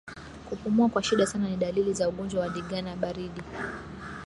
Kupumua kwa shida sana ni dalili za ugonjwa wa ndigana baridi